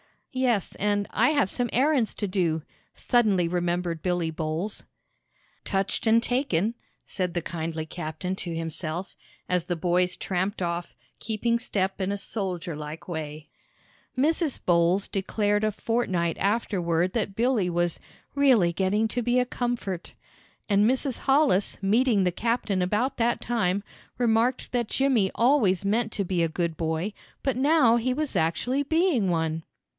"Yes, and I have some errands to do," suddenly remembered Billy Bowles. "Touched and taken!" said the kindly captain to himself, as the boys tramped off, keeping step in a soldier like way. Mrs. Bowles declared a fortnight afterward that Billy was "really getting to be a comfort!" And Mrs. Hollis, meeting the captain about that time, remarked that Jimmy always meant to be a good boy, but now he was actually being one.